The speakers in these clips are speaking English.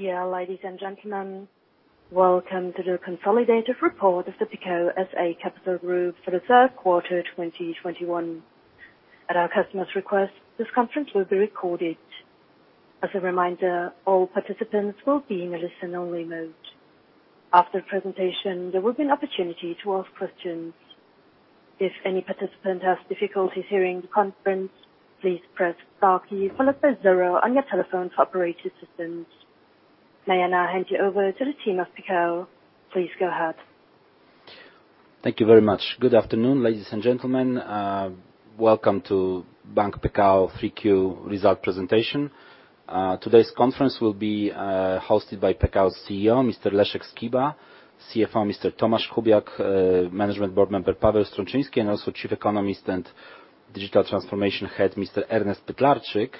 Yeah, ladies and gentlemen, welcome to the consolidated report of the Pekao S.A. Capital Group for the third quarter 2021. At our customer's request, this conference will be recorded. As a reminder, all participants will be in a listen-only mode. After the presentation, there will be an opportunity to ask questions. If any participant has difficulties hearing the conference, please press Star key followed by zero on your telephone to operate your systems. May I now hand you over to the team of Pekao. Please go ahead. Thank you very much. Good afternoon, ladies and gentlemen. Welcome to Bank Pekao 3Q results presentation. Today's conference will be hosted by Pekao's CEO, Mr. Leszek Skiba, CFO Mr. Tomasz Kubiak, management board member Paweł Strączyński, and also Chief Economist and Digital Transformation Head, Mr. Ernest Pytlarczyk.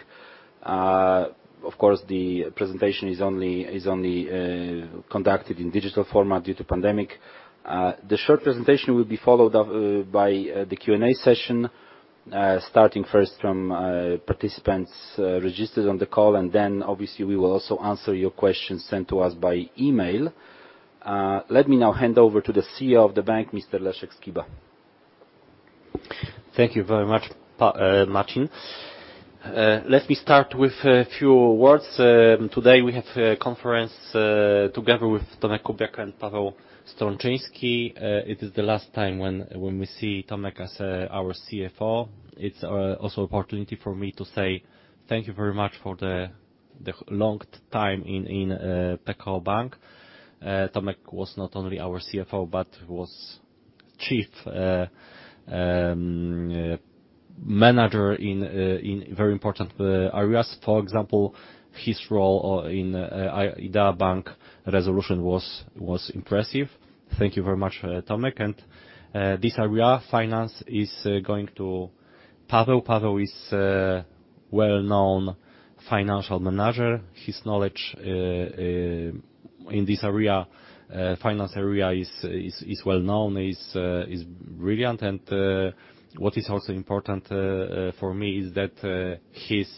Of course, the presentation is only conducted in digital format due to pandemic. The short presentation will be followed by the Q&A session, starting first from participants registered on the call, and then obviously we will also answer your questions sent to us by email. Let me now hand over to the CEO of the bank, Mr. Leszek Skiba. Thank you very much, Marcin. Let me start with a few words. Today we have a conference together with Tomasz Kubiak and Paweł Strączyński. It is the last time when we see Tomasz as our CFO. It's also an opportunity for me to say thank you very much for the long time in Pekao Bank. Tomasz was not only our CFO, but was Chief Manager in very important areas. For example, his role in Idea Bank resolution was impressive. Thank you very much, Tomasz. This area, finance, is going to Paweł. Paweł is a well-known Financial Manager. His knowledge in this area, finance area is well-known, is brilliant. What is also important for me is that his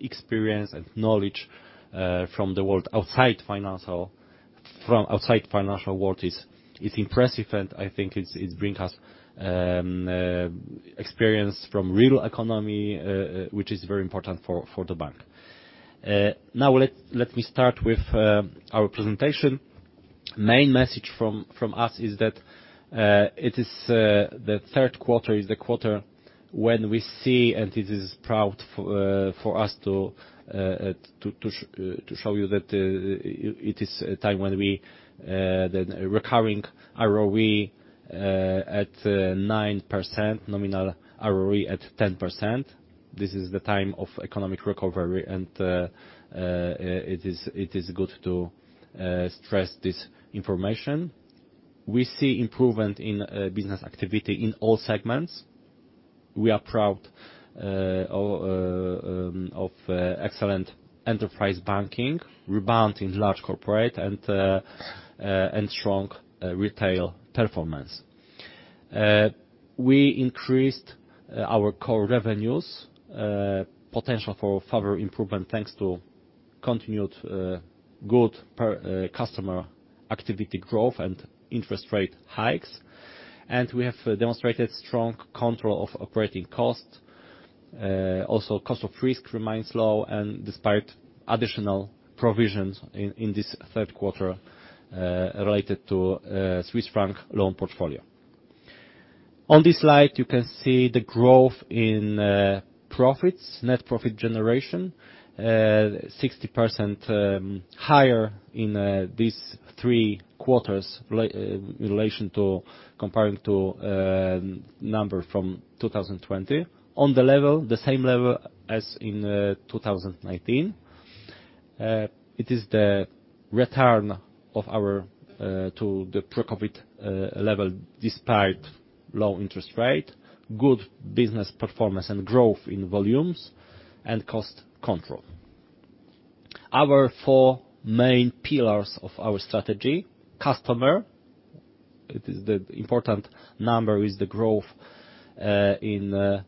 experience and knowledge from outside the financial world is impressive. I think it's bring us experience from real economy which is very important for the bank. Now let me start with our presentation. Main message from us is that it is the third quarter is the quarter when we see, and it is proud for us to show you that it is a time when we the recurring ROE at 9%, nominal ROE at 10%. This is the time of economic recovery and it is good to stress this information. We see improvement in business activity in all segments. We are proud of excellent enterprise banking, rebound in large corporate and strong retail performance. We increased our core revenues, potential for further improvement thanks to continued good per customer activity growth and interest rate hikes. We have demonstrated strong control of operating costs. Also, cost of risk remains low, despite additional provisions in this third quarter related to Swiss franc loan portfolio. On this slide, you can see the growth in profits, net profit generation 60% higher in these three quarters in relation to comparing to number from 2020. At the same level as in 2019. It is the return of our to the pre-COVID level, despite low interest rate, good business performance and growth in volumes and cost control. Our four main pillars of our strategy, customer. It is the important number is the growth in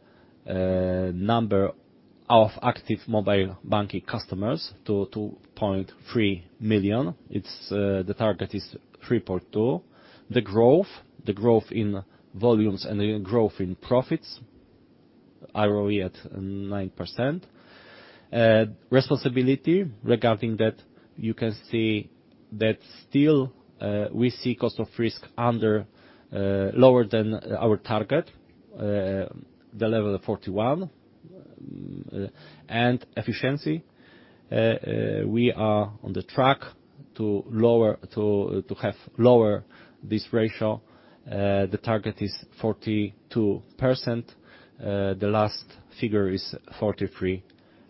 number of active mobile banking customers to 2.3 million. It's the target is 3.2. The growth in volumes and the growth in profits, ROE at 9%. Responsibility regarding that, you can see that still, we see cost of risk is lower than our target, the Level of 41. And efficiency, we are on track to lower this ratio. The target is 42%. The last figure is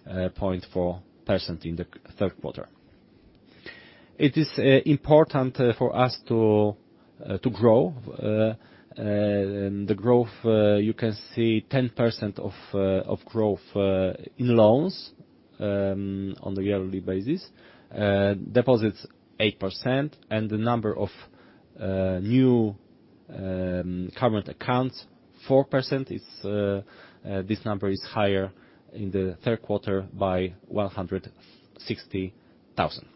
43.4% in the third quarter. It is important for us to grow. The growth you can see 10% growth in loans on a yearly basis. Deposits 8%, and the number of new current accounts 4%. This number is higher in the third quarter by 160,000.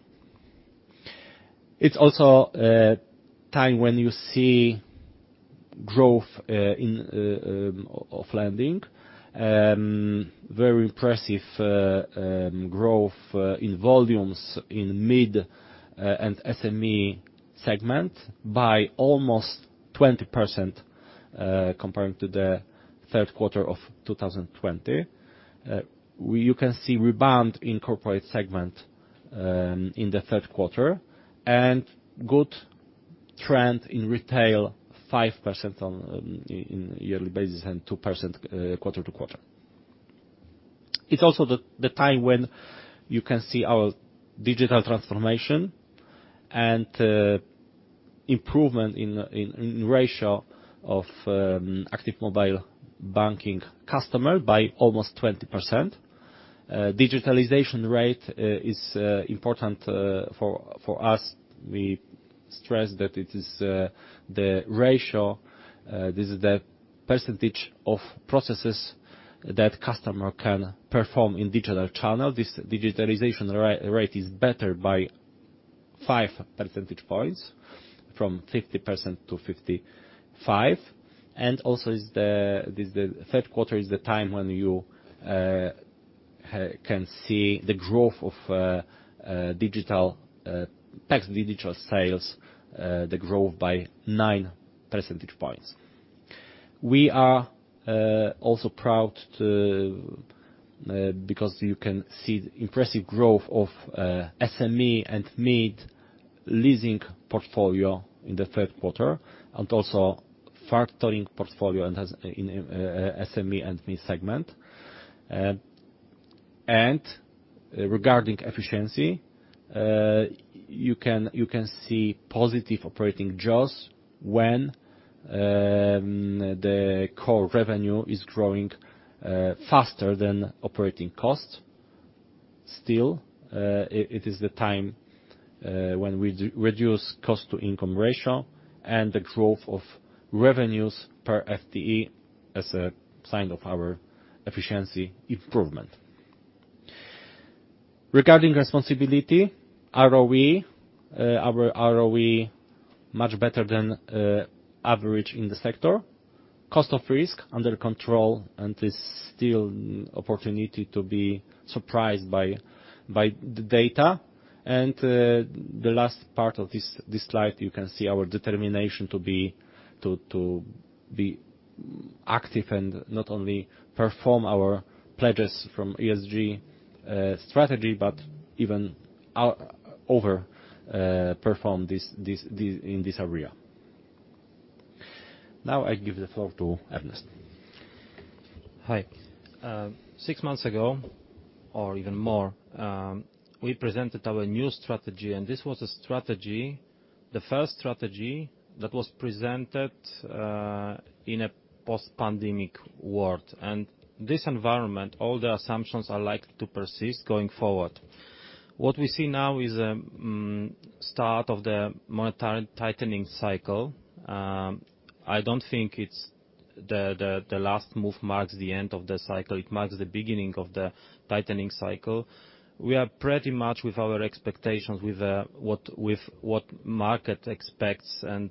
It's also time when you see growth in lending. Very impressive growth in volumes in mid and SME segment by almost 20% comparing to the third quarter of 2020. You can see rebound in corporate segment in the third quarter and good trend in retail 5% on a yearly basis and 2% quarter-over-quarter. It's also the time when you can see our digital transformation and improvement in ratio of active mobile banking customer by almost 20%. Digitalization rate is important for us. We stress that it is the ratio. This is the percentage of processes that customer can perform in digital channel. This digitalization rate is better by 5% points from 50%-55%, and also the third quarter is the time when you can see the growth of digital tech digital sales, the growth by 9% points. We are also proud because you can see the impressive growth of SME and mid leasing portfolio in the third quarter, and also factoring portfolio and in SME and mid segment. Regarding efficiency, you can see positive operating jaws when the core revenue is growing faster than operating costs. Still, it is the time when we reduce cost to income ratio and the growth of revenues per FTE as a sign of our efficiency improvement. Regarding responsibility, our ROE much better than average in the sector. Cost of risk under control, and there's still opportunity to be surprised by the data. The last part of this slide, you can see our determination to be more active and not only perform our pledges from ESG strategy, but even overperform this in this area. Now I give the floor to Ernest. Hi. Six months ago or even more, we presented our new strategy, and this was a strategy, the first strategy that was presented in a post-pandemic world. This environment, all the assumptions are likely to persist going forward. What we see now is start of the monetary tightening cycle. I don't think it's the last move marks the end of the cycle. It marks the beginning of the tightening cycle. We are pretty much with our expectations with what market expects and,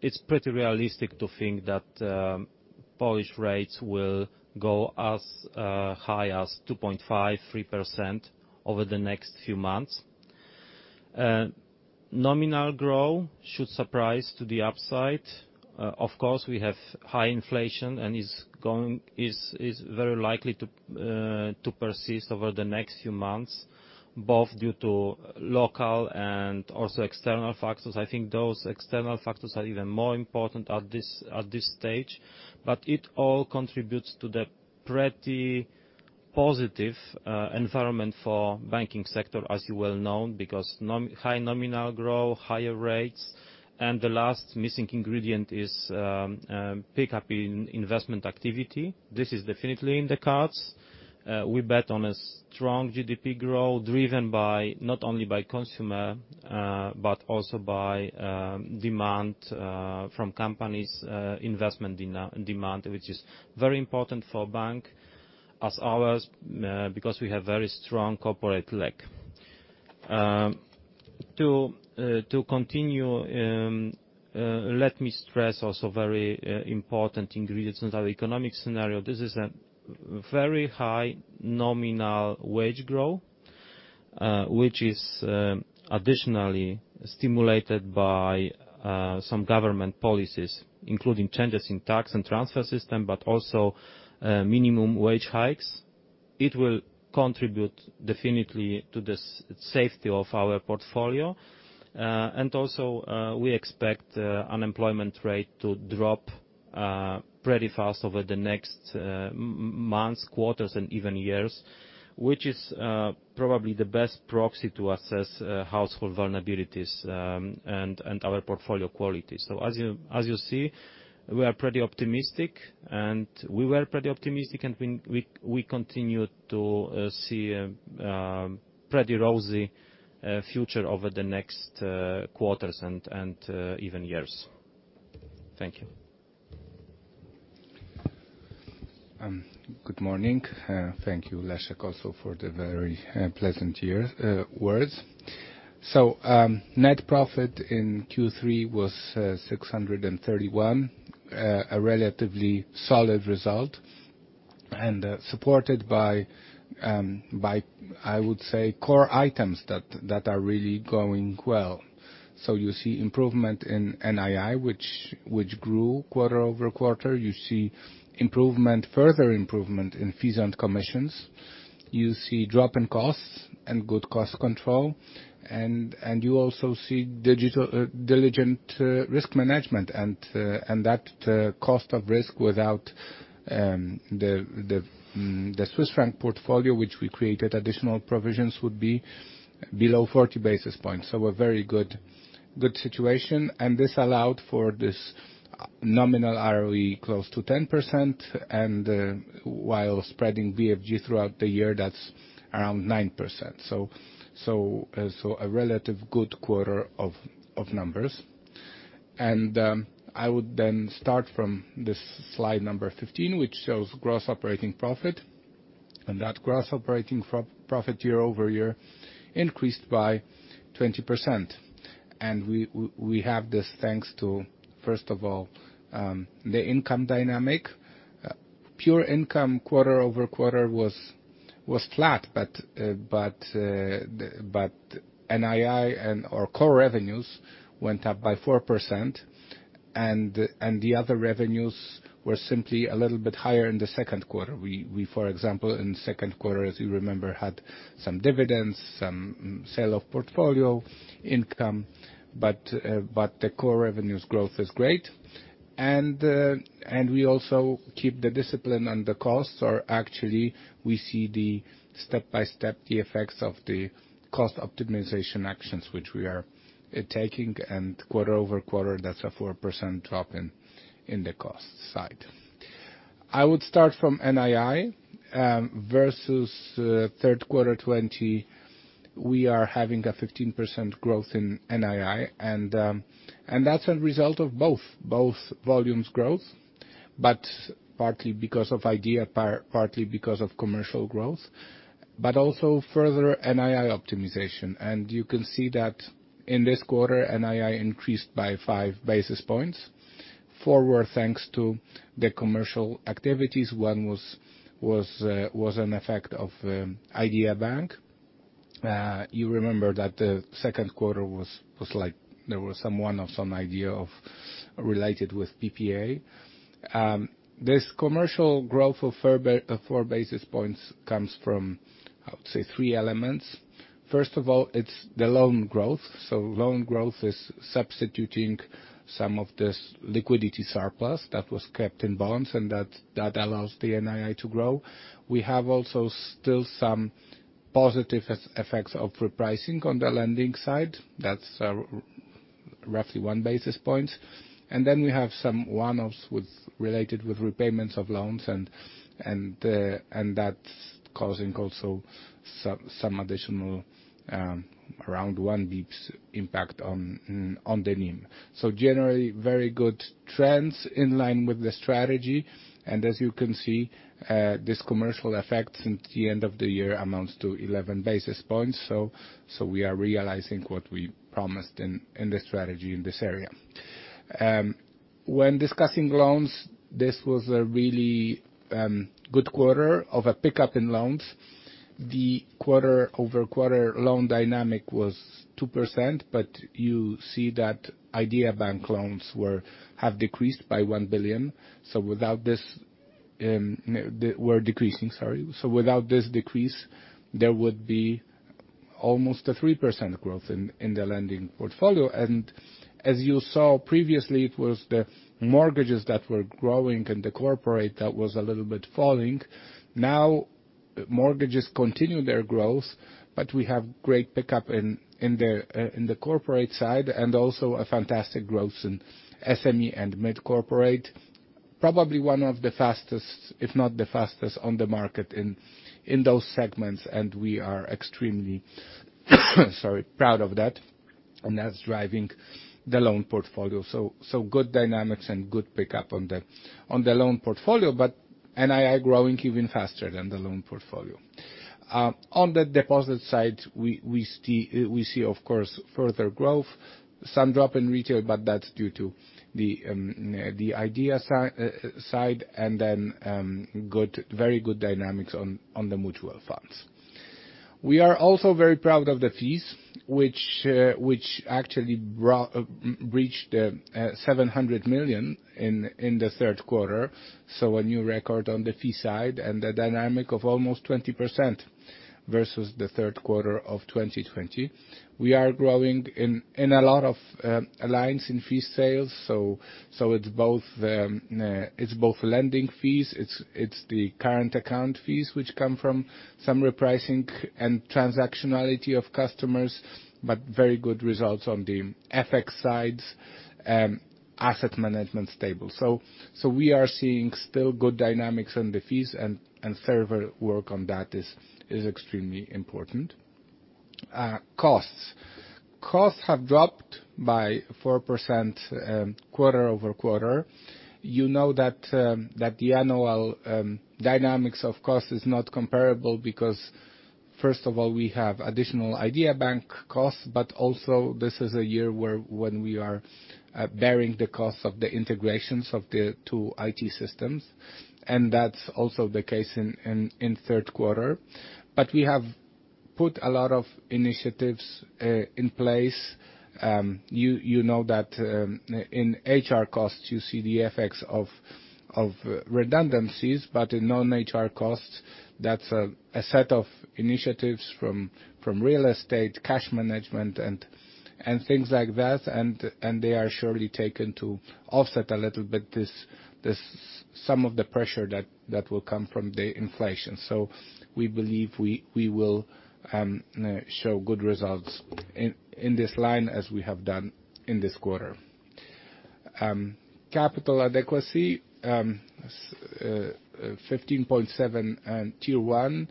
it's pretty realistic to think that, Polish rates will go as high as 2.5%-3% over the next few months. Nominal growth should surprise to the upside. Of course, we have high inflation and it is very likely to persist over the next few months, both due to local and also external factors. I think those external factors are even more important at this stage. It all contributes to the pretty positive environment for banking sector, as you well know, because high nominal growth, higher rates, and the last missing ingredient is pick-up in investment activity. This is definitely in the cards. We bet on a strong GDP growth driven by, not only by consumer, but also by demand from companies, investment demand, which is very important for banks like ours, because we have very strong corporate leg. To continue, let me stress also very important ingredients in our economic scenario. This is a very high nominal wage growth, which is additionally stimulated by some government policies, including changes in tax and transfer system, but also minimum wage hikes. It will contribute definitely to the safety of our portfolio. Also, we expect unemployment rate to drop pretty fast over the next months, quarters, and even years, which is probably the best proxy to assess household vulnerabilities, and our portfolio quality. As you see, we are pretty optimistic, and we were pretty optimistic, and we continue to see a pretty rosy future over the next quarters and even years. Thank you. Good morning. Thank you, Leszek, also for the very pleasant year words. Net profit in Q3 was 631. A relatively solid result and supported by, I would say core items that are really going well. You see improvement in NII, which grew quarter-over-quarter. You see improvement, further improvement in fees and commissions. You see drop in costs and good cost control, and you also see diligent risk management and that cost of risk without the Swiss franc portfolio, which we created additional provisions would be below 40 basis points. A very good situation. This allowed for this nominal ROE close to 10%, and while spreading BFG throughout the year, that's around 9%. A relatively good quarter of numbers. I would then start from this slide number 15, which shows gross operating profit. That gross operating profit year-over-year increased by 20%. We have this thanks to, first of all, the income dynamic. Pure income quarter-over-quarter was flat, but NII and/or core revenues went up by 4% and the other revenues were simply a little bit higher in the second quarter. We, for example, in second quarter, as you remember, had some dividends, some sale of portfolio income. The core revenues growth is great. We also keep the discipline, and the costs, actually we see the step-by-step effects of the cost optimization actions which we are taking, and quarter-over-quarter, that's a 4% drop in the cost side. I would start from NII versus third quarter 2020, we are having a 15% growth in NII. That's a result of both volumes growth, but partly because of Idea, partly because of commercial growth, but also further NII optimization. You can see that in this quarter, NII increased by 5 basis points. Forward, thanks to the commercial activities. One was an effect of Idea Bank. You remember that the second quarter was like there was some one-off Idea-related with PPA. This commercial growth of 4 basis points comes from, I would say, three elements. First of all, it's the loan growth. Loan growth is substituting some of this liquidity surplus that was kept in bonds and that allows the NII to grow. We have also still some positive effects of repricing on the lending side. That's roughly 1 basis point. Then we have some one-offs related with repayments of loans and that's causing also some additional around 1 basis point impact on the NIM. Generally, very good trends in line with the strategy. As you can see, this commercial effects since the end of the year amounts to 11 basis points. We are realizing what we promised in the strategy in this area. When discussing loans, this was a really good quarter of a pickup in loans. The quarter-over-quarter loan dynamic was 2%, but you see that Idea Bank loans have decreased by 1 billion. Without this decrease, there would be almost a 3% growth in the lending portfolio. As you saw previously, it was the mortgages that were growing and the corporate that was a little bit falling. Now, mortgages continue their growth, but we have great pickup in the corporate side and also a fantastic growth in SME and mid-corporate, probably one of the fastest, if not the fastest on the market in those segments. We are extremely proud of that. That's driving the loan portfolio. Good dynamics and good pickup on the loan portfolio, but NII growing even faster than the loan portfolio. On the deposit side, we see of course further growth, some drop in retail, but that's due to the Idea side and then good, very good dynamics on the mutual funds. We are also very proud of the fees which actually breached 700 million in the third quarter, so a new record on the fee side and a dynamic of almost 20% versus the third quarter of 2020. We are growing in a lot of lines in fee sales. It's both lending fees, it's the current account fees which come from some repricing and transactionality of customers, but very good results on the FX side, asset management stable. We are seeing still good dynamics on the fees and further work on that is extremely important. Costs have dropped by 4%, quarter-over-quarter. You know that the annual dynamics of cost is not comparable, because first of all, we have additional Idea Bank costs, but also this is a year where, when we are bearing the costs of the integrations of the two IT systems, and that's also the case in third quarter. We have put a lot of initiatives in place. You know that in HR costs you see the effects of redundancies, but in non-HR costs, that's a set of initiatives from real estate, cash management and things like that. They are surely taken to offset a little bit some of the pressure that will come from the inflation. We believe we will show good results in this line as we have done in this quarter. Capital adequacy, 15.7, and Tier I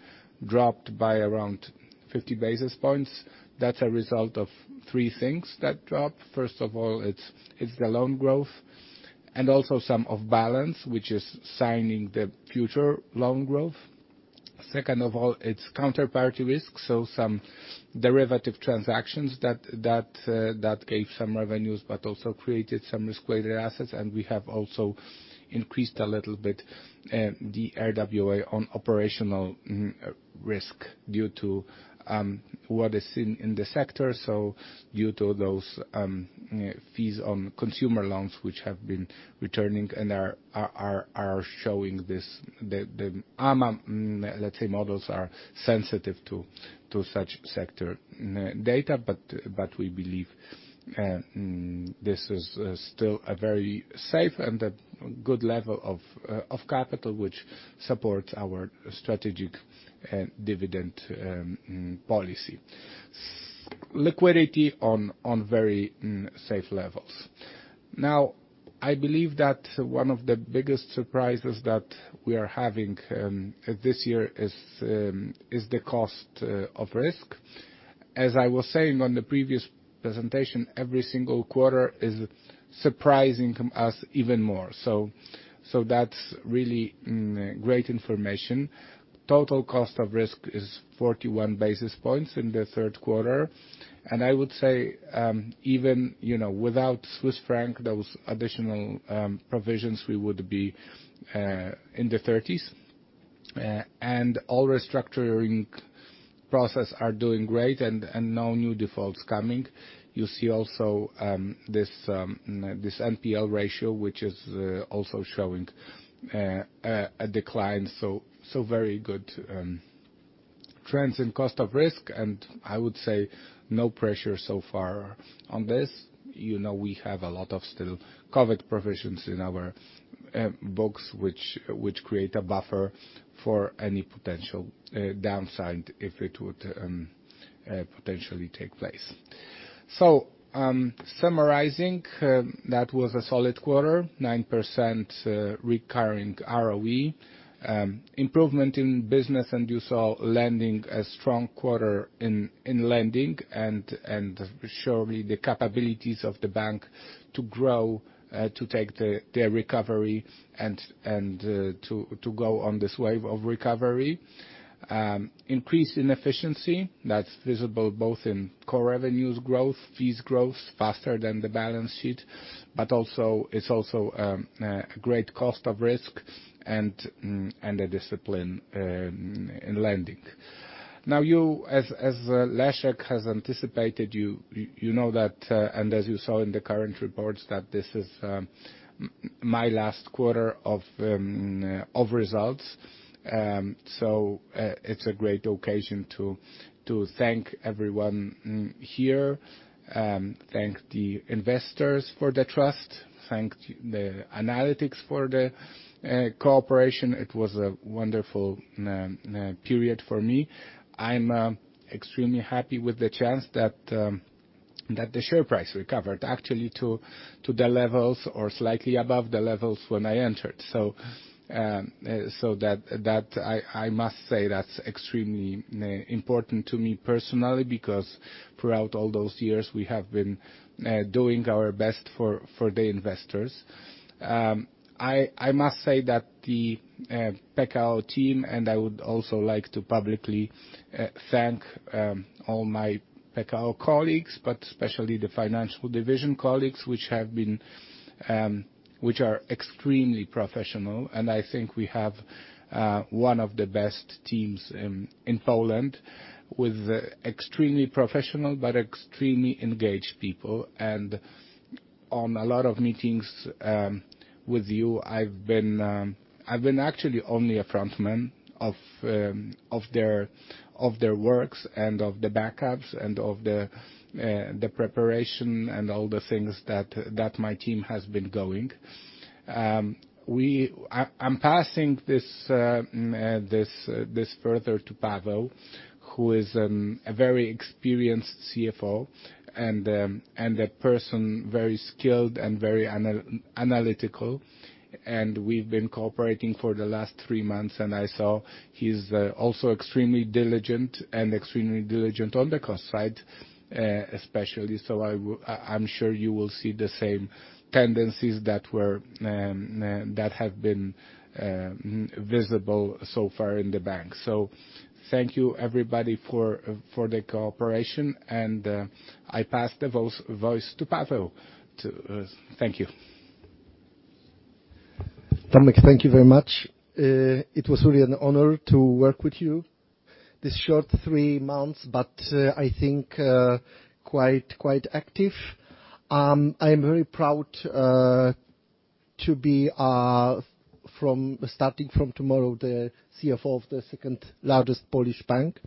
dropped by around 50 basis points. That's a result of three things that dropped. First of all, it's the loan growth and also some off-balance, which is signing the future loan growth. Second of all, it's counterparty risk, so some derivative transactions that gave some revenues but also created some risk-weighted assets. We have also increased a little bit the RWA on operational risk due to what is seen in the sector. Due to those fees on consumer loans which have been returning and are showing this, the let's say models are sensitive to such sector data, but we believe this is still a very safe and a good level of capital, which supports our strategic dividend policy. Liquidity on very safe levels. Now, I believe that one of the biggest surprises that we are having this year is the cost of risk. As I was saying on the previous presentation, every single quarter is surprising us even more. That's really great information. Total cost of risk is 41 basis points in the third quarter. I would say, even, you know, without Swiss franc, those additional, provisions, we would be in the thirties. All restructuring process are doing great and no new defaults coming. You see also this NPL ratio, which is also showing a decline. Very good trends in cost of risk, and I would say no pressure so far on this. You know, we have a lot of still COVID provisions in our books, which create a buffer for any potential downside if it would potentially take place. Summarizing, that was a solid quarter, 9% recurring ROE improvement in business, and you saw, lending, a strong quarter in lending and surely the capabilities of the bank to grow, to take the recovery and to go on this wave of recovery. Increase in efficiency, that's visible both in core revenues growth, fees growth, faster than the balance sheet, but also a great cost of risk and a discipline in lending. As Leszek has anticipated, you know that, and as you saw in the current reports that this is my last quarter of results. It's a great occasion to thank everyone here, thank the investors for the trust, thank the analysts for the cooperation. It was a wonderful period for me. I'm extremely happy with the chance that the share price recovered actually to the levels or slightly above the levels when I entered. So that I must say that's extremely important to me personally, because throughout all those years, we have been doing our best for the investors. I must say that the Pekao team, and I would also like to publicly thank all my Pekao colleagues, but especially the financial division colleagues which are extremely professional. I think we have one of the best teams in Poland with extremely professional but extremely engaged people. On a lot of meetings with you, I've been actually only a frontman of their works and of the backups and of the preparation and all the things that my team has been going. I'm passing this further to Paweł, who is a very experienced CFO and a person very skilled and very analytical. We've been cooperating for the last three months, and I saw he's also extremely diligent on the cost side, especially. I'm sure you will see the same tendencies that have been visible so far in the bank. Thank you everybody for the cooperation and I pass the voice to Paweł. Thank you. Tomasz, thank you very much. It was really an honor to work with you this short three months, but I think quite active. I am very proud to be starting from tomorrow, the CFO of the second-largest Polish bank.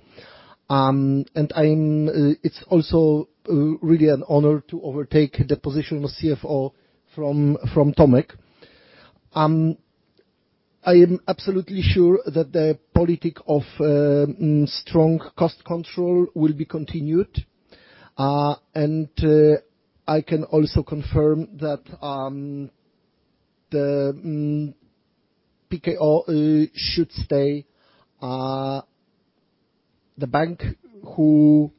It's also really an honor to overtake the position of CFO from Tomasz. I am absolutely sure that the politics of strong cost control will be continued. I can also confirm that Pekao should stay the bank who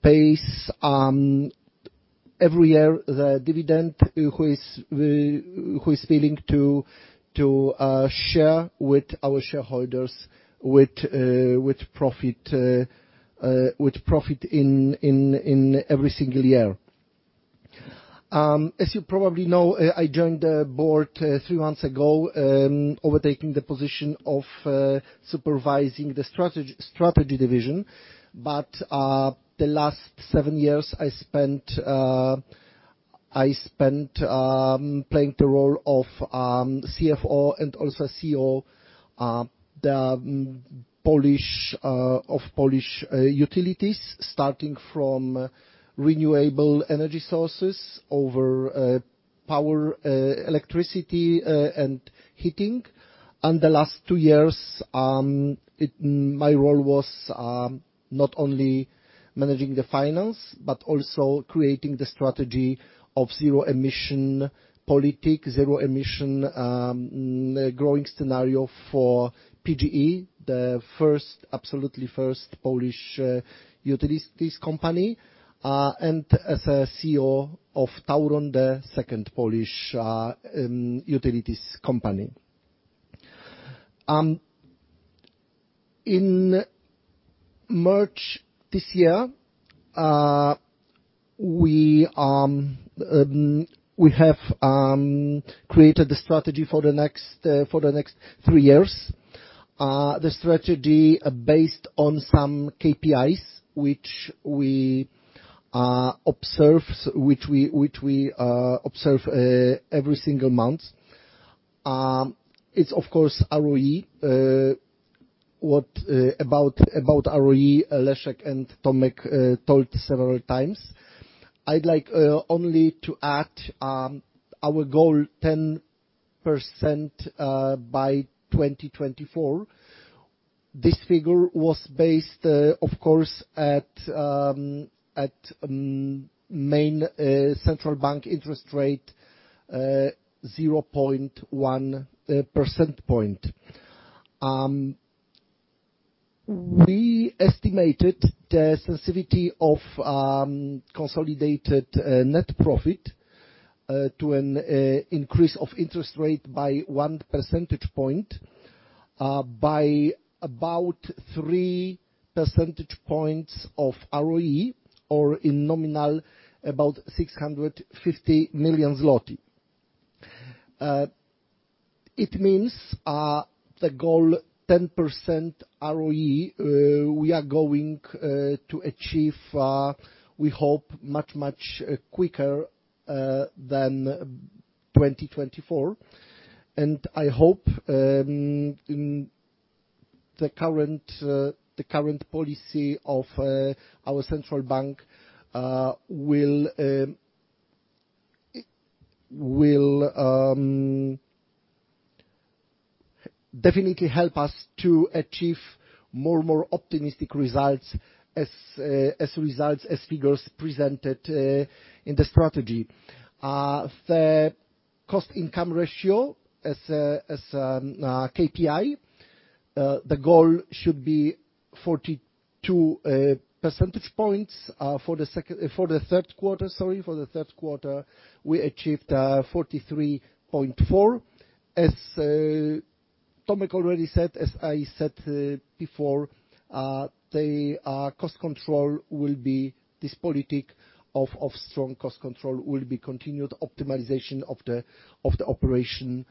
pays every year the dividend, who is willing to share with our shareholders with profit in every single year. As you probably know, I joined the Board three months ago, overtaking the position of supervising the Strategy division. The last seven years, I spent playing the role of CFO and also CEO of Polish utilities, starting from renewable energy sources over power, electricity, and heating. The last two years, my role was not only managing the finance, but also creating the strategy of zero-emission policy, zero-emission growing scenario for PGE, the first, absolutely first Polish utilities company, and as a CEO of Tauron, the second Polish utilities company. In March this year, we have created the strategy for the next three years. The strategy based on some KPIs which we observe every single month. It's of course ROE, what about ROE, Leszek and Tomasz told several times. I'd like only to add our goal 10% by 2024. This figure was based of course at main central bank interest rate 0.1% point. We estimated the sensitivity of consolidated net profit to an increase of interest rate by one percentage point by about 3% points of ROE or in nominal about 650 million zloty. It means the goal 10% ROE we are going to achieve we hope much quicker than 2024. I hope the current policy of our central bank will definitely help us to achieve more optimistic results as figures presented in the strategy. The cost income ratio as KPI, the goal should be 42% points for the third quarter, sorry. For the third quarter, we achieved 43.4%. As Tomasz already said, as I said before, the cost control will be this policy of strong cost control will be continued optimization of the operation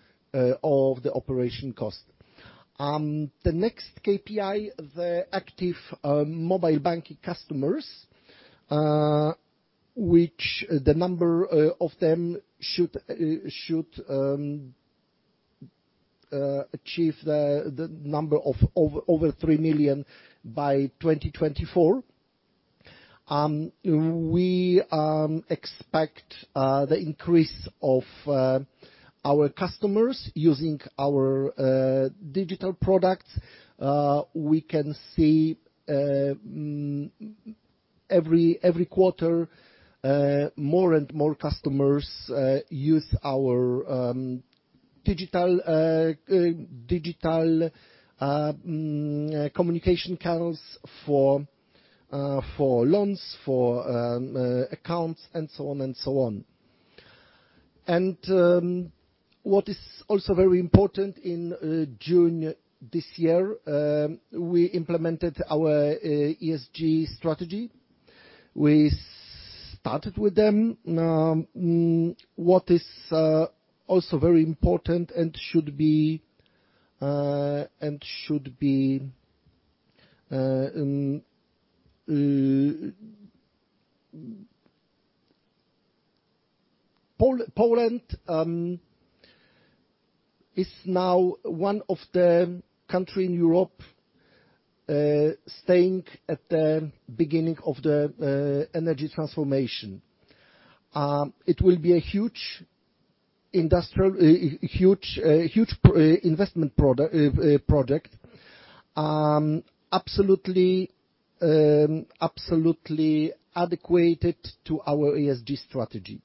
cost. The next KPI, the active mobile banking customers, which the number of them should achieve the number of over 3 million by 2024. We expect the increase of our customers using our Digital products. We can see every quarter more and more customers use our digital communication channels for loans, for accounts, and so on and so on. What is also very important in June this year, we implemented our ESG strategy. We started with them. What is also very important and should be. Poland is now one of the countries in Europe staying at the beginning of the energy transformation. It will be a huge project absolutely adequately to our ESG strategy.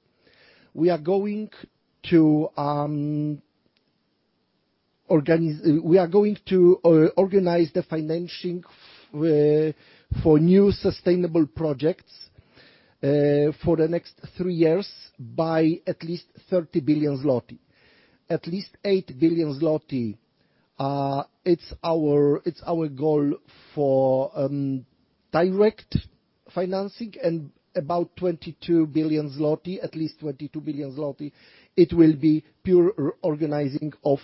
We are going to organize the financing for new sustainable projects for the next three years by at least 30 billion zloty. At least 8 billion zloty are our goal for direct financing and about 22 billion zloty. It will be pure reorganizing of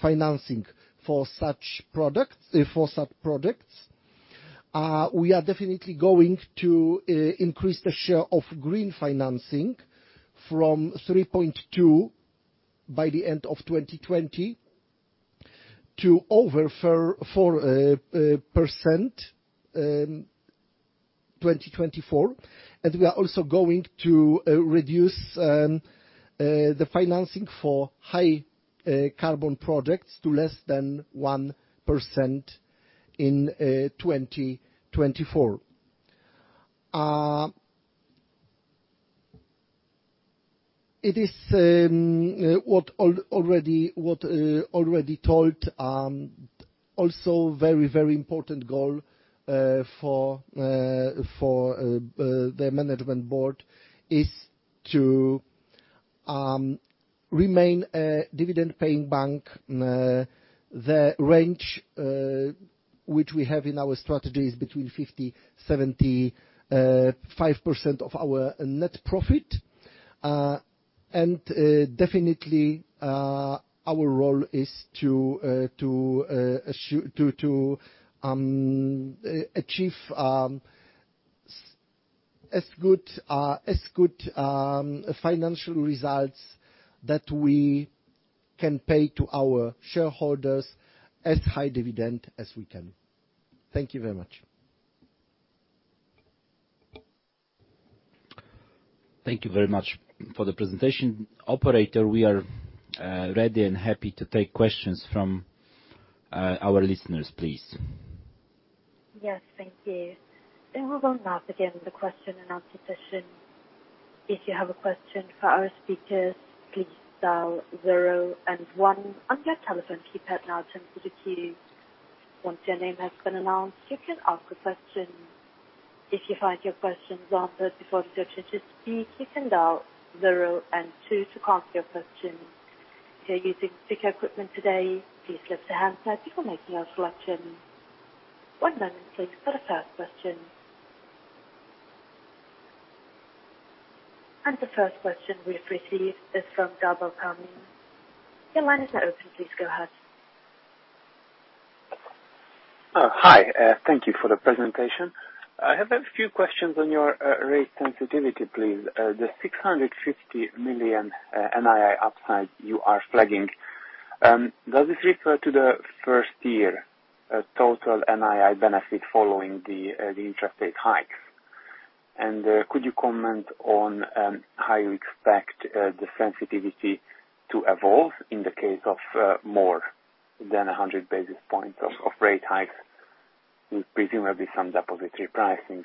financing for such products for such projects. We are definitely going to increase the share of green financing from 3.2% by the end of 2020 to over 4% in 2024. We are also going to reduce the financing for high carbon products to less than 1% in 2024. It is, as already told, also very, very important goal for the Management Board is to remain a dividend-paying bank. The range which we have in our strategy is between 50%-75% of our net profit. Definitely, our role is to achieve as good financial results that we can pay to our shareholders as high dividend as we can. Thank you very much. Thank you very much for the presentation. Operator, we are ready and happy to take questions from our listeners, please. Yes. Thank you. We will now begin the question-and-answer session. If you have a question for our speakers, please dial zero and one on your telephone keypad now to be queued. Once your name has been announced, you can ask a question. If you find your question answered before it's your turn to speak, you can dial zero and two to cancel your question. If you're using speaker equipment today, please lift your handset before making your selection. One moment please for the first question. The first question we've received is from Gabor Kemeny. Your line is now open. Please go ahead. Hi. Thank you for the presentation. I have a few questions on your rate sensitivity, please. The 650 million NII upside you are flagging, does this refer to the first year total NII benefit following the interest rate hikes? Could you comment on how you expect the sensitivity to evolve in the case of more than 100 basis points of rate hikes, with presumably some depository pricing?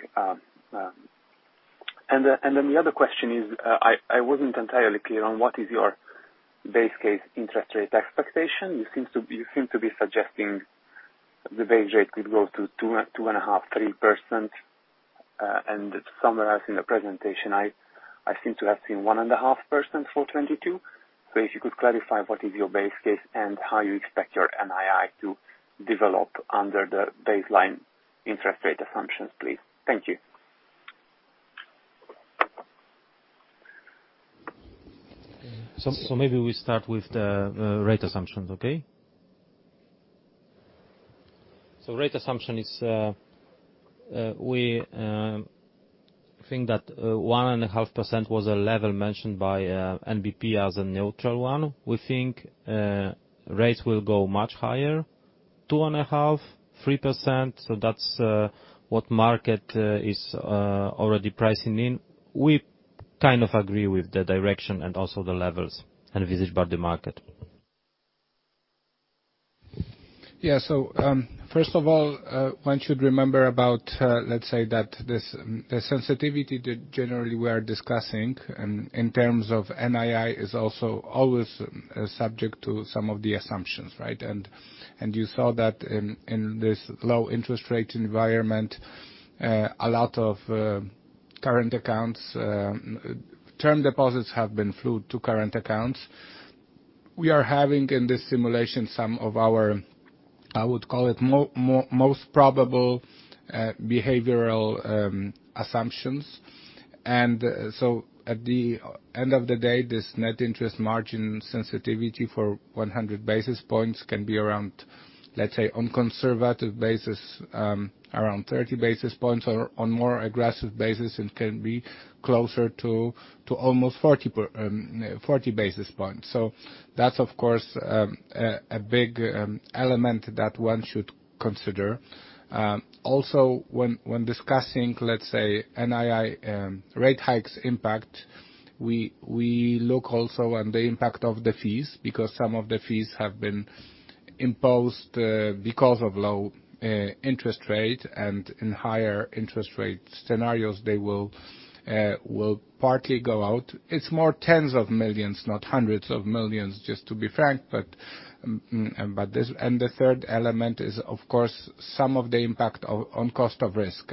The other question is, I wasn't entirely clear on what is your base case interest rate expectation. You seem to be suggesting the base rate could go to 2.5, 3%. To summarize in the presentation, I seem to have seen 1.5% for 2022. If you could clarify what is your base case and how you expect your NII to develop under the baseline interest rate assumptions, please. Thank you. Maybe we start with the rate assumptions, okay? Rate assumption is we think that 1.5% was a level mentioned by NBP as a neutral one. We think rates will go much higher, 2.5%-3%, that's what market is already pricing in. We kind of agree with the direction and also the levels envisaged by the market. Yeah. First of all, one should remember about, let's say, the sensitivity that generally we are discussing in terms of NII is also always subject to some of the assumptions, right? You saw that in this low interest rate environment, a lot of term deposits have flowed to current accounts. We are having, in this simulation, some of our, I would call it, most probable behavioral assumptions. At the end of the day, this net interest margin sensitivity for 100 basis points can be around, let's say, on conservative basis, around 30 basis points or on more aggressive basis, it can be closer to almost 40 basis points. That's, of course, a big element that one should consider. Also when discussing, let's say, NII, rate hikes impact, we look also on the impact of the fees because some of the fees have been imposed because of low interest rate, and in higher interest rate scenarios, they will partly go out. It's more tens of millions, not hundreds of millions, just to be frank. The third element is, of course, some of the impact on cost of risk.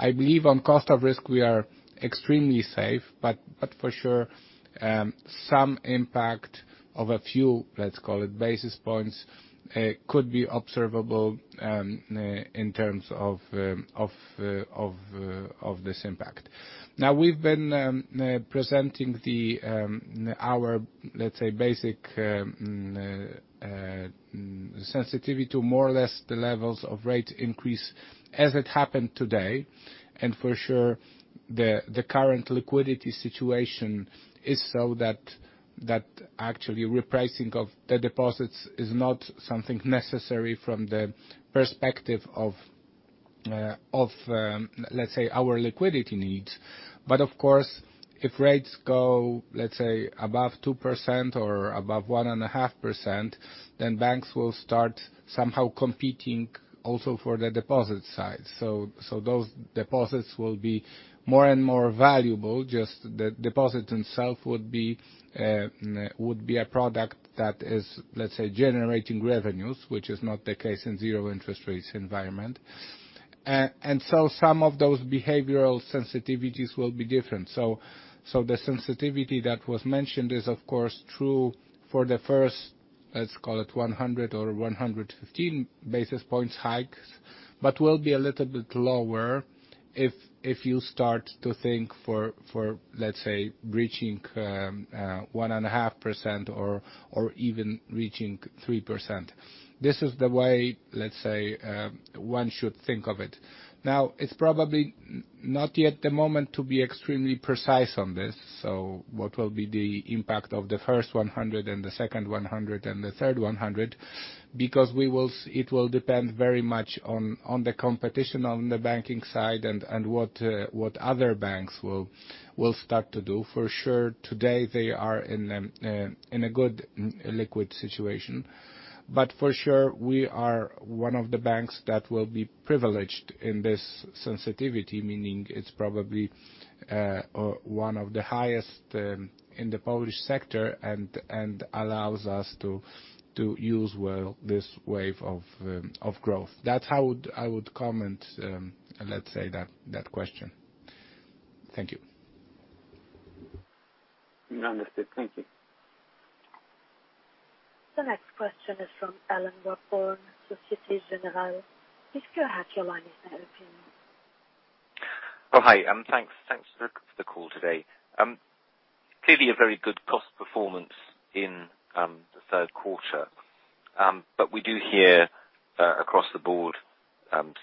I believe on cost of risk, we are extremely safe, but for sure, some impact of a few, let's call it, basis points could be observable in terms of this impact. Now we've been presenting our basic sensitivity to more or less the levels of rate increase as it happened today. For sure, the current liquidity situation is so that actually repricing of the deposits is not something necessary from the perspective of our liquidity needs. Of course, if rates go, let's say, above 2% or above 1.5%, then banks will start somehow competing also for the deposit side. Those deposits will be more and more valuable. Just the deposit itself would be a product that is, let's say, generating revenues, which is not the case in zero interest rates environment. Some of those behavioral sensitivities will be different. The sensitivity that was mentioned is, of course, true for the first, let's call it, 100 or 115 basis points hikes, but will be a little bit lower if you start to think for, let's say, reaching 1.5% or even reaching 3%. This is the way, let's say, one should think of it. Now, it's probably not yet the moment to be extremely precise on this, so what will be the impact of the first 100 and the second 100 and the third 100, because it will depend very much on the competition on the banking side and what other banks will start to do. For sure, today they are in a good liquidity situation. For sure, we are one of the banks that will be privileged in this sensitivity, meaning it's probably one of the highest in the Polish sector and allows us to use well this wave of growth. That's how I would comment, let's say that question. Thank you. Understood. Thank you. The next question is from Alan Webborn, Société Générale. Please go ahead, your line is now open. Oh, hi, thanks. Thanks for the call today. Clearly a very good cost performance in the third quarter. We do hear across the board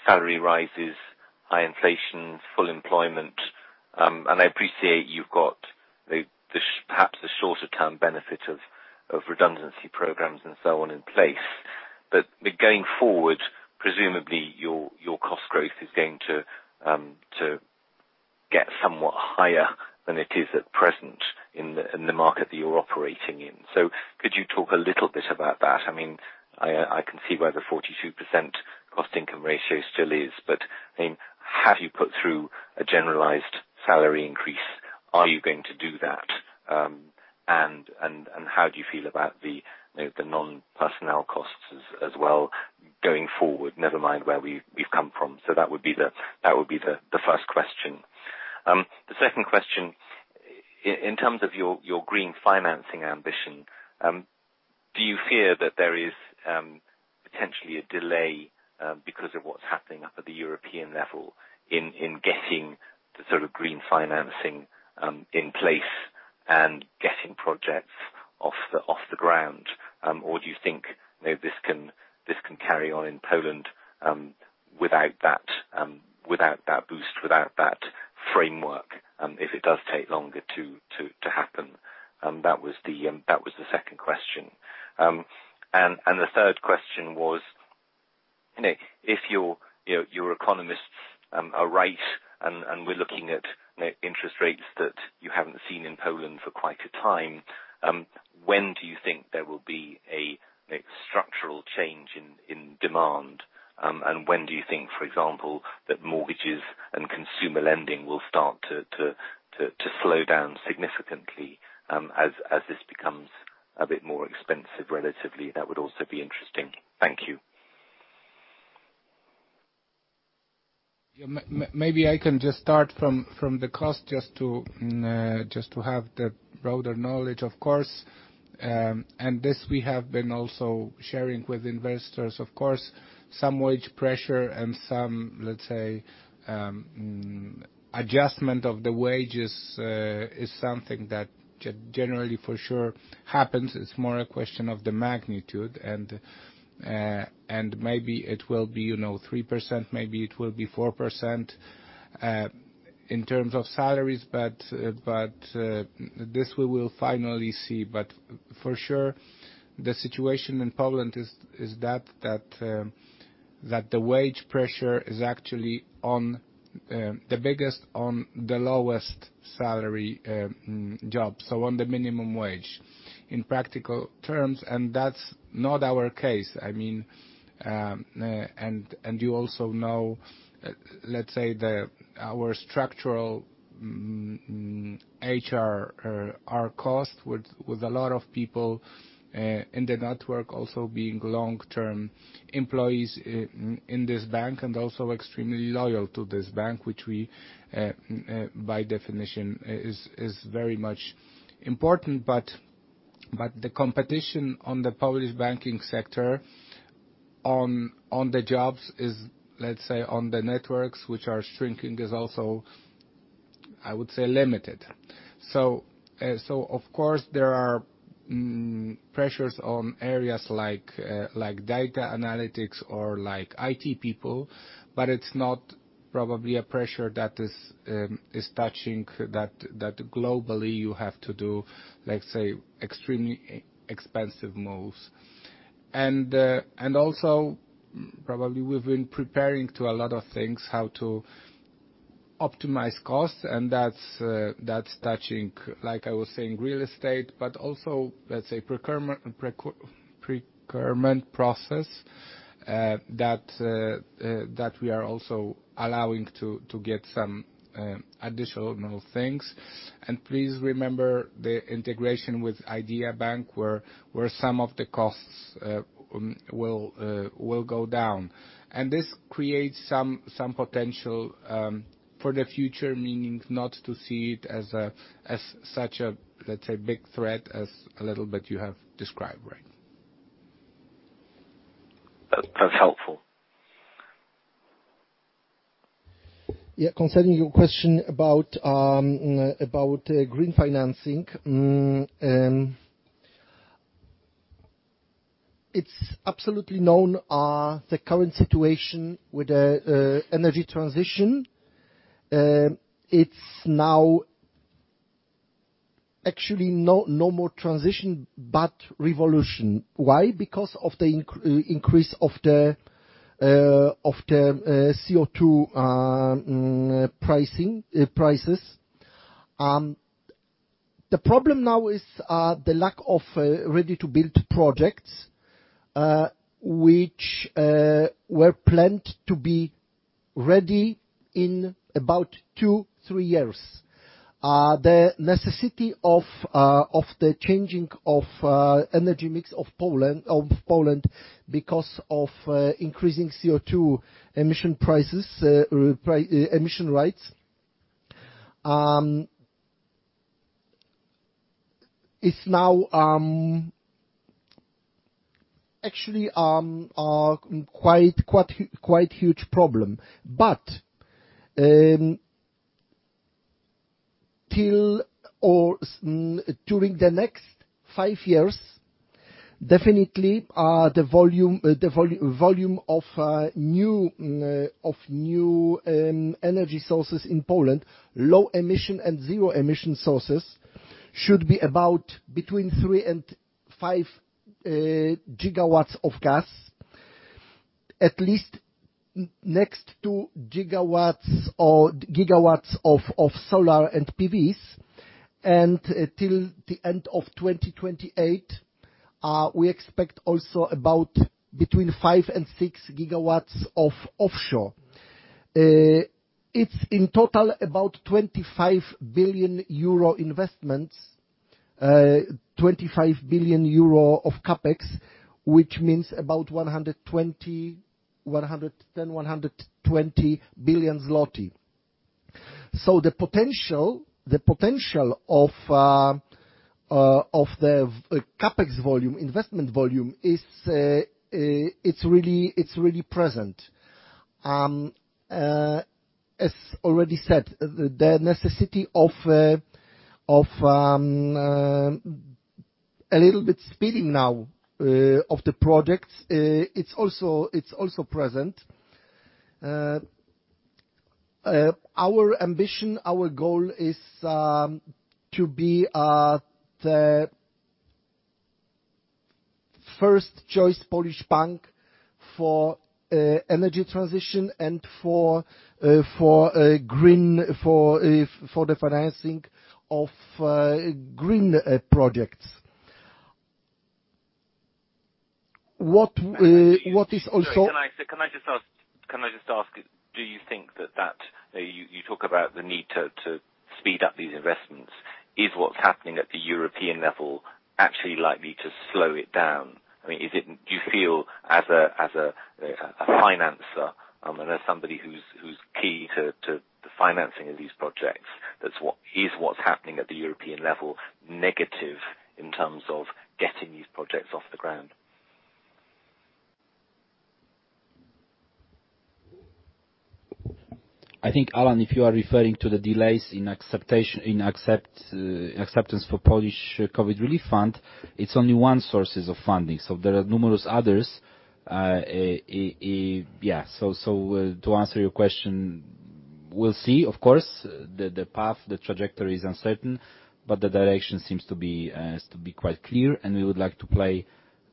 salary rises, high inflation, full employment. I appreciate you've got the shorter-term benefit of redundancy programs and so on in place. Going forward, presumably your cost growth is going to get somewhat higher than it is at present in the market that you're operating in. Could you talk a little bit about that? I mean, I can see where the 42% cost income ratio still is, but I mean, have you put through a generalized salary increase? Are you going to do that? How do you feel about the non-personnel costs as well going forward? Never mind where we've come from. That would be the first question. The second question, in terms of your green financing ambition, do you fear that there is potentially a delay because of what's happening up at the European level in getting the sort of green financing in place and getting projects off the ground? Or do you think, you know, this can carry on in Poland without that boost, without that framework, if it does take longer to happen? That was the second question. The third question was, you know, if your economists are right and we're looking at the interest rates that you haven't seen in Poland for quite a time, when do you think there will be a structural change in demand? When do you think, for example, that mortgages and consumer lending will start to slow down significantly, as this becomes a bit more expensive relatively? That would also be interesting. Thank you. Yeah. Maybe I can just start from the cost just to have the broader knowledge, of course. This we have been also sharing with investors, of course, some wage pressure and some, let's say, adjustment of the wages is something that generally for sure happens. It's more a question of the magnitude and maybe it will be, you know, 3%, maybe it will be 4% in terms of salaries. This we will finally see. For sure, the situation in Poland is that the wage pressure is actually on the biggest on the lowest salary job, so on the minimum wage in practical terms. That's not our case. I mean, and you also know, let's say, our structural HR, our cost with a lot of people in the network also being long-term employees in this bank and also extremely loyal to this bank, which we by definition is very much important. The competition on the Polish banking sector, on the jobs is, let's say, on the networks which are shrinking, is also, I would say, limited. Of course there are pressures on areas like data analytics or like IT people, but it's not probably a pressure that is touching that globally you have to do, let's say, extremely expensive moves. Also probably we've been preparing to a lot of things how to optimize costs and that's touching, like I was saying, real estate, but also, let's say procurement process, that we are also allowing to get some additional things. Please remember the integration with Idea Bank where some of the costs will go down and this creates some potential for the future, meaning not to see it as such a, let's say, big threat as a little bit you have described, right. That's helpful. Yeah. Concerning your question about green financing, it's absolutely known the current situation with the energy transition. It's now actually no more transition but revolution. Why? Because of the increase of the CO2 prices. The problem now is the lack of ready-to-build projects which were planned to be ready in about two, three years. The necessity of the changing of energy mix of Poland because of increasing CO2 emission prices emission rights is now actually a quite huge problem. During the next five years, definitely, the volume of new energy sources in Poland, low emission and zero emission sources should be about between 3 GW-5 GW of gas. At least 2 GW of solar and PVs, and till the end of 2028, we expect also about between 5 GW-6 GW of offshore. It's in total about 25 billion euro investments, 25 billion euro of CapEx, which means about 120 billion zloty. The potential of the CapEx volume, investment volume is, it's really present. As already said, the necessity of a little bit speeding now of the projects, it's also present. Our ambition, our goal is to be the first choice Polish bank for energy transition and for the financing of green projects. What is also- Sorry, can I just ask, do you think that you talk about the need to speed up these investments? Is what's happening at the European level actually likely to slow it down? I mean, is it? Do you feel as a financier and as somebody who's key to the financing of these projects? Is what's happening at the European level negative in terms of getting these projects off the ground? I think, Alan, if you are referring to the delays in acceptance for Polish COVID Fund, it's only one source of funding. There are numerous others. To answer your question, we'll see, of course, the path, the trajectory is uncertain, but the direction seems to be quite clear, and we would like to play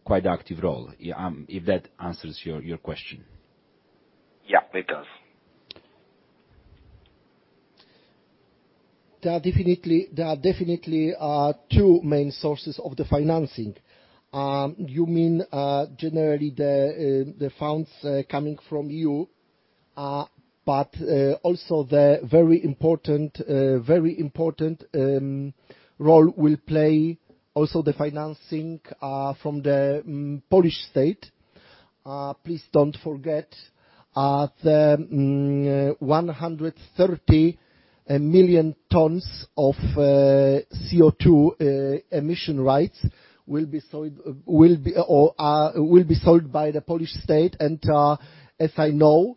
quite an active role. If that answers your question. Yeah, it does. There are definitely two main sources of the financing. You mean, generally the funds coming from you, but also the very important role will play also the financing from the Polish state. Please don't forget the 130 million tons of CO2 emission rights will be sold by the Polish state. As I know,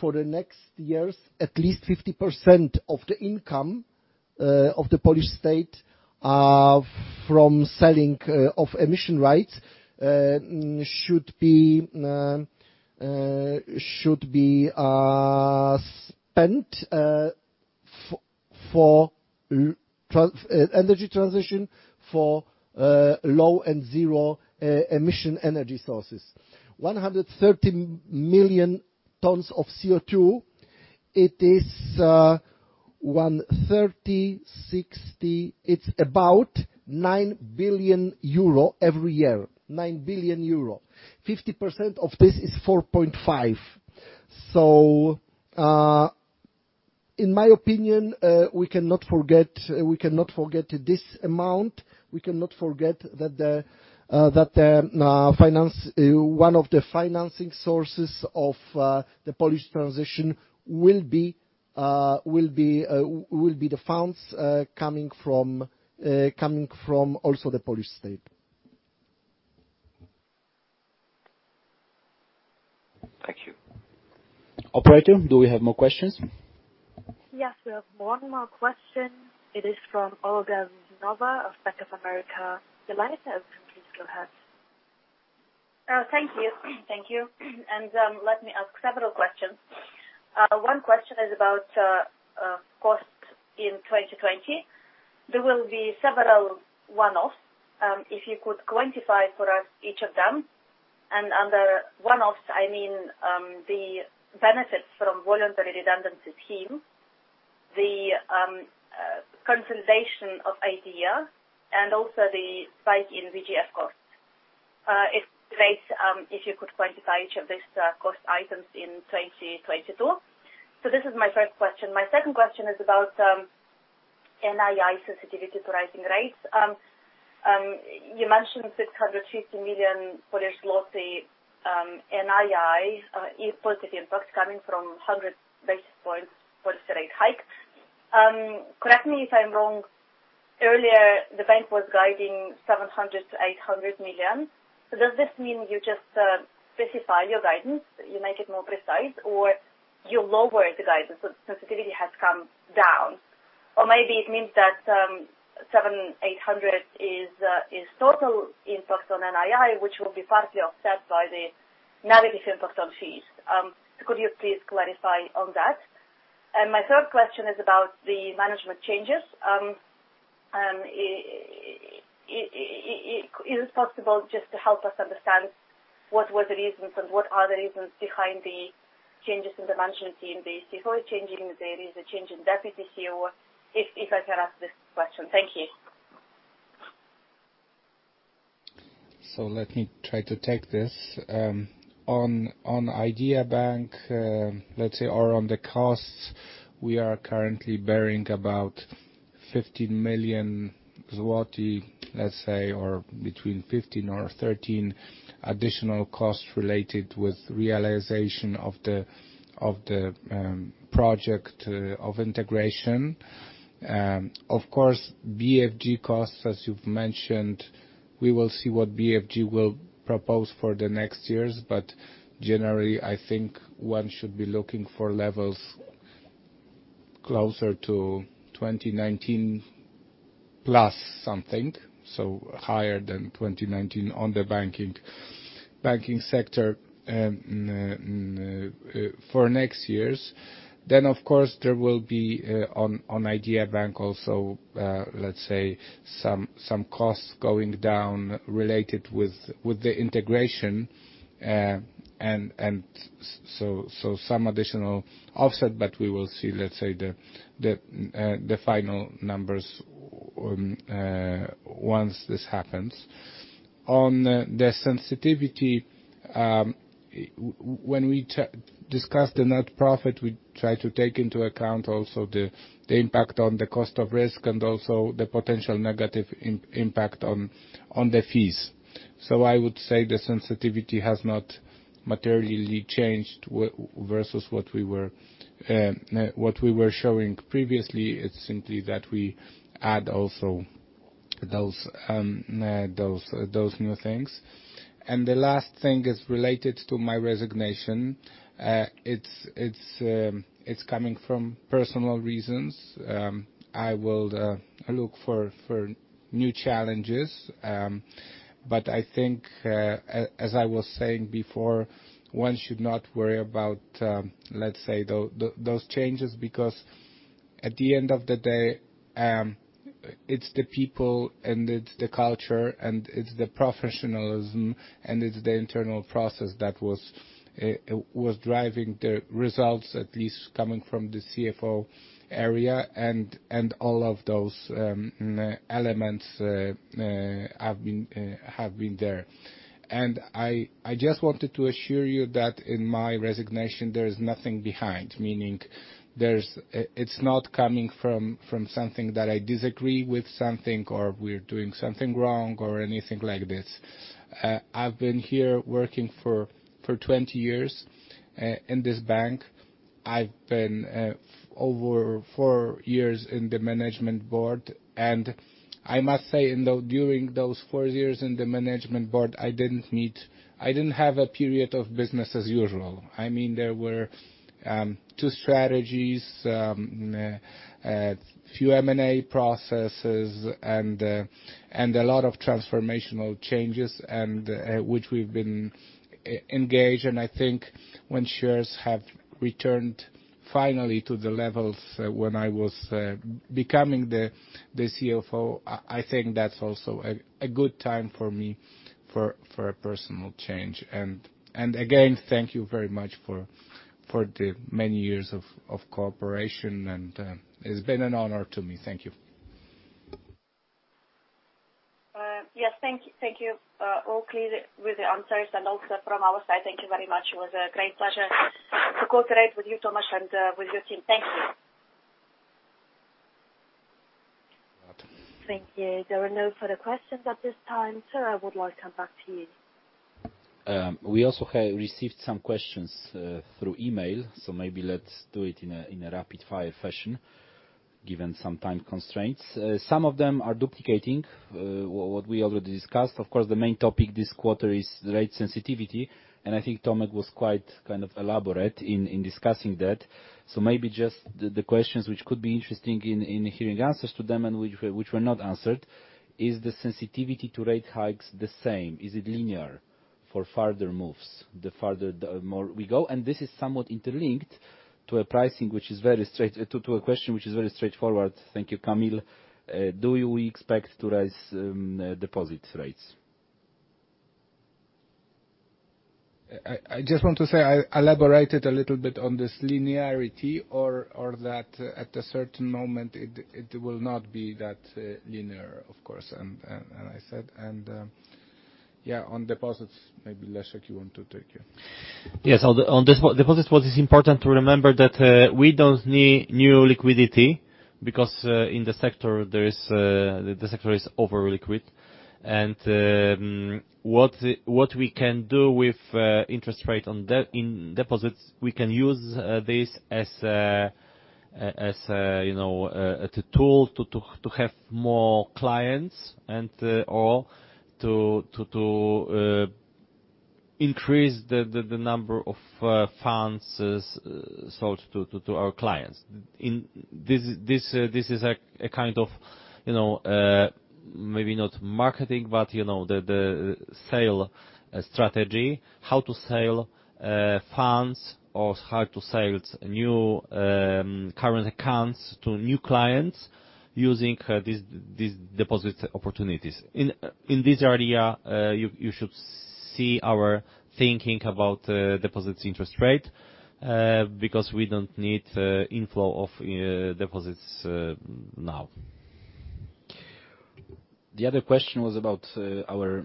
for the next years, at least 50% of the income of the Polish state from selling of emission rights should be spent for energy transition for low and zero emission energy sources. 130 million tons of CO2. It is 130 million tons, 60. It's about 9 billion euro every year. 9 billion euro. 50% of this is 4.5 billion. In my opinion, we cannot forget this amount. We cannot forget that one of the financing sources of the Polish transition will be the funds coming from also the Polish state. Thank you. Operator, do we have more questions? Yes, we have one more question. It is from Olga Veselova of Bank of America. Delighted, please go ahead. Thank you. Let me ask several questions. One question is about costs in 2020. There will be several one-offs, if you could quantify for us each of them. Under one-offs, I mean the benefits from voluntary redundancy scheme, consolidation of Idea Bank and also the spike in VGF costs. It'd be great if you could quantify each of these cost items in 2022. This is my first question. My second question is about NII sensitivity to rising rates. You mentioned 650 million NII positive impact coming from 100 basis points policy rate hike. Correct me if I'm wrong. Earlier, the bank was guiding 700 million-800 million. Does this mean you just specify your guidance, you make it more precise, or you lower the guidance so the sensitivity has come down? Or maybe it means that 700 millionPLN 800 million is total impact on NII, which will be partially offset by the negative impact on fees. Could you please clarify on that? My third question is about the management changes. Is it possible just to help us understand what were the reasons and what are the reasons behind the changes in the management team, the CFO changing, there is a change in Deputy CEO, if I can ask this question. Thank you. Let me try to take this. On Idea Bank, let's say or on the costs, we are currently bearing about 15 million zloty, let's say or between 15 million or 13 million additional costs related with realization of the project of integration. Of course, BFG costs, as you've mentioned, we will see what BFG will propose for the next years. Generally, I think one should be looking for levels closer to 2019 plus something, so higher than 2019 on the banking sector for next years. Of course there will be on Idea Bank also, let's say some costs going down related with the integration. And so some additional offset, but we will see, let's say the final numbers once this happens. On the sensitivity, when we discuss the net profit, we try to take into account also the impact on the cost of risk and also the potential negative impact on the fees. I would say the sensitivity has not materially changed versus what we were showing previously. It's simply that we add also those new things. The last thing is related to my resignation. It's coming from personal reasons. I will look for new challenges. I think, as I was saying before, one should not worry about, let's say those changes because at the end of the day, it's the people and it's the culture and it's the professionalism and it's the internal process that was driving the results, at least coming from the CFO area. All of those elements have been there. I just wanted to assure you that in my resignation, there is nothing behind. Meaning there's. It's not coming from something that I disagree with something or we're doing something wrong or anything like this. I've been here working for 20 years in this bank. I've been over four years in the management board. I must say, although during those four years in the management board, I didn't have a period of business as usual. I mean, there were two strategies, a few M&A processes and a lot of transformational changes and which we've been engaged. I think when shares have returned finally to the levels when I was becoming the CFO, I think that's also a good time for me for a personal change. Again, thank you very much for the many years of cooperation, and it's been an honor to me. Thank you. Yes. Thank you. All clear with the answers and also from our side, thank you very much. It was a great pleasure to cooperate with you, Tomasz, and with your team. Thank you. Thank you. Thank you. There are no further questions at this time, sir. I would like to come back to you. We also have received some questions through email, so maybe let's do it in a rapid-fire fashion, given some time constraints. Some of them are duplicating what we already discussed. Of course, the main topic this quarter is rate sensitivity, and I think Tomasz was quite kind of elaborate in discussing that. Maybe just the questions which could be interesting in hearing answers to them and which were not answered. Is the sensitivity to rate hikes the same? Is it linear for further moves, the farther, the more we go? This is somewhat interlinked to a question which is very straightforward. Thank you, Kamil. Do we expect to raise deposit rates? I just want to say I elaborated a little bit on this linearity or that at a certain moment it will not be that linear, of course. I said, yeah, on deposits, maybe Leszek, you want to take it. Yes. On deposits, what is important to remember that we don't need new liquidity because in the sector is over-liquid. What we can do with interest rate on deposits, we can use this as a you know as a tool to have more clients or to increase the number of funds sold to our clients. In this is a kind of you know maybe not marketing, but you know the sale strategy, how to sell funds or how to sell new current accounts to new clients using these deposit opportunities. In this area, you should see our thinking about deposits interest rate, because we don't need inflow of deposits now. The other question was about our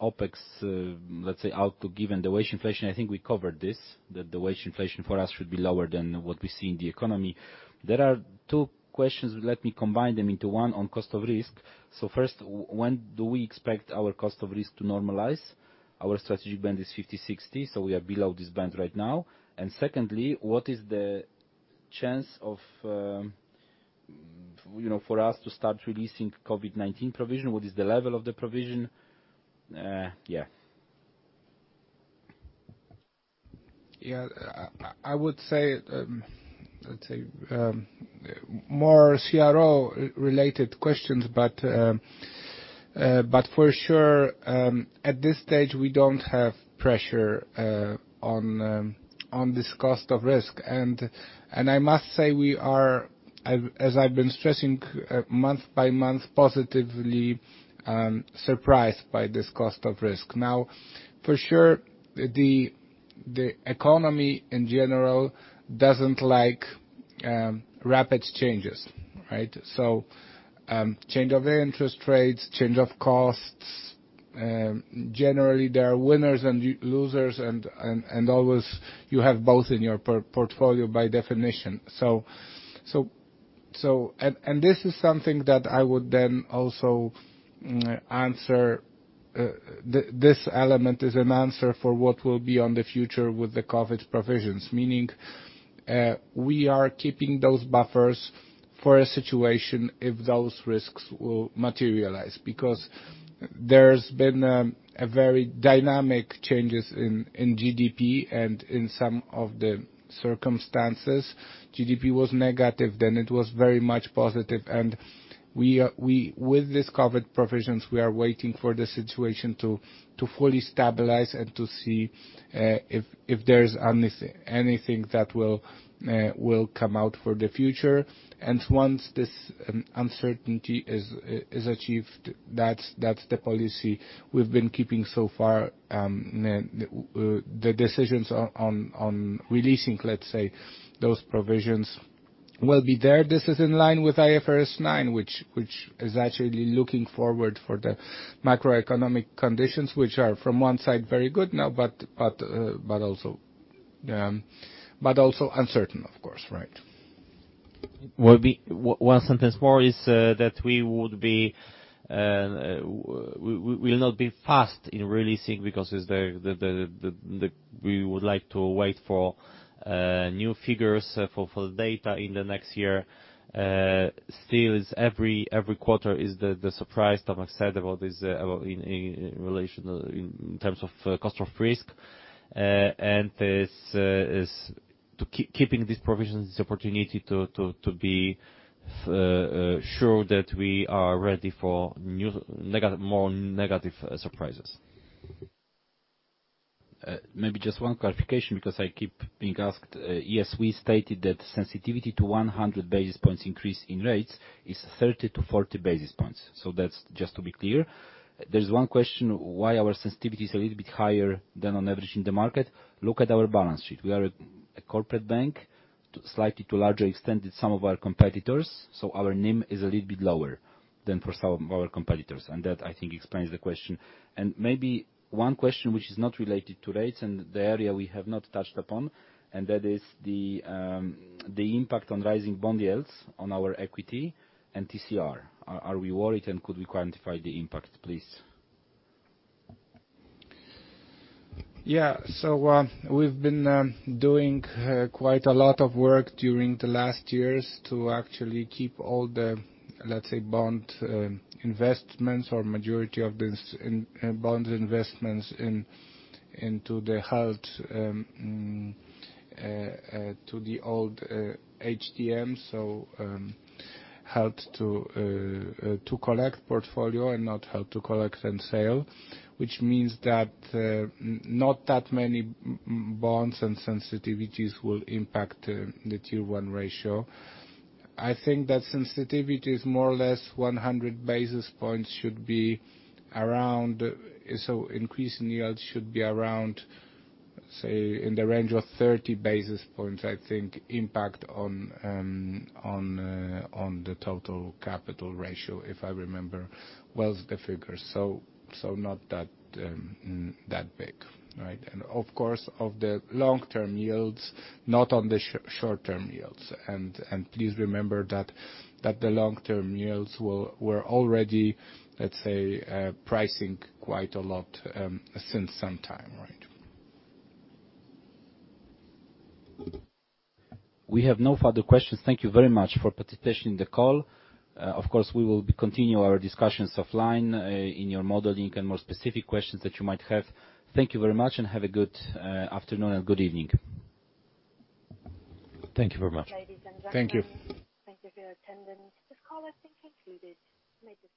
OpEx, let's say output, given the wage inflation. I think we covered this, that the wage inflation for us should be lower than what we see in the economy. There are two questions. Let me combine them into one on cost of risk. First, when do we expect our cost of risk to normalize? Our strategy band is 50-60, so we are below this band right now. Secondly, what is the chance of You know, for us to start releasing COVID-19 provision, what is the level of the provision? Yeah. Yeah. I would say, let's say, more CRO related questions, but for sure, at this stage, we don't have pressure on this cost of risk. I must say we are, as I've been stressing month by month, positively surprised by this cost of risk. Now, for sure, the economy in general doesn't like rapid changes, right? Change of interest rates, change of costs, generally there are winners and losers and always you have both in your portfolio by definition. This is something that I would then also answer, this element is an answer for what will be in the future with the COVID provisions. Meaning, we are keeping those buffers for a situation if those risks will materialize, because there's been a very dynamic changes in GDP and in some of the circumstances. GDP was negative, then it was very much positive. With these COVID provisions, we are waiting for the situation to fully stabilize and to see if there's anything that will come out for the future. Once this uncertainty is achieved, that's the policy we've been keeping so far. The decisions on releasing, let's say, those provisions will be there. This is in line with IFRS 9, which is actually looking forward for the macroeconomic conditions which are from one side very good now, but also uncertain, of course, right. One more sentence is that we will not be fast in releasing because it's the. We would like to wait for new figures for data in the next year. Still every quarter is the surprise. Tomasz said about this in relation in terms of cost of risk. Keeping these provisions is opportunity to be sure that we are ready for more negative surprises. Maybe just one clarification because I keep being asked. Yes, we stated that sensitivity to 100 basis points increase in rates is 30-40 basis points. That's just to be clear. There's one question why our sensitivity is a little bit higher than on average in the market. Look at our balance sheet. We are a corporate bank, slightly to larger extent some of our competitors. Our NIM is a little bit lower than for some of our competitors, and that, I think, explains the question. Maybe one question which is not related to rates and the area we have not touched upon, and that is the impact on rising bond yields on our equity and TCR. Are we worried and could we quantify the impact, please? Yeah. We've been doing quite a lot of work during the last years to actually keep all the, let's say, bond investments or majority of these bond investments into the held to the old HTM, so held to collect portfolio and not held to collect and sell, which means that not that many bonds and sensitivities will impact the Tier 1 ratio. I think that sensitivity is more or less 100 basis points should be around. Increase in yield should be around, say, in the range of 30 basis points, I think impact on the total capital ratio, if I remember well the figure. Not that big, right? Of course, of the long-term yields, not on the short-term yields. Please remember that the long-term yields were already, let's say, pricing quite a lot since some time, right? We have no further questions. Thank you very much for participating in the call. Of course, we will continue our discussions offline in your modeling and more specific questions that you might have. Thank you very much and have a good afternoon and good evening. Thank you very much. Thank you. Ladies and gentlemen, thank you for your attendance. This call has been concluded. You may disconnect.